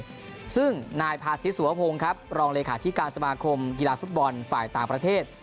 ทั้งหมดเลยซึ่งนายพาศิษย์สวพงศ์ครับรองเลยขาดธิการสมาคมกีฬาสุดบอลฝ่ายต่างประเทศ